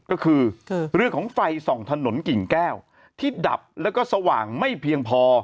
ก็คือเรื่องของไฟส่องถนนกิ่งแก้วที่ดับแล้วก็สว่างไม่เพียงพอ